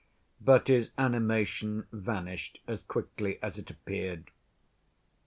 But his animation vanished as quickly as it appeared.